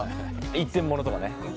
一点物とかね。